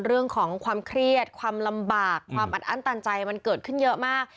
เรื่องของความเครียดความลำบากความอัดอั้นตันใจมันเกิดขึ้นเยอะมาก